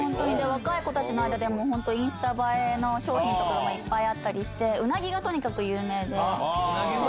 若い子たちの間でも本当にインスタ映えの商品とかもいっぱいあったりして、うなぎがとにかく有名で。